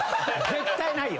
絶対ないよ。